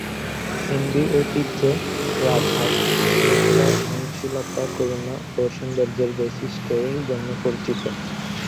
হিন্দি ঐতিহ্যে, রাজহাঁস, শৃঙ্খলা, সহনশীলতা, করুণা ও সৌন্দর্যের বৈশিষ্ট্যের জন্য পরিচিত।